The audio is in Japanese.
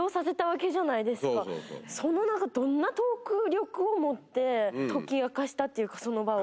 その何かどんなトーク力をもって解き明かしたっていうかその場を。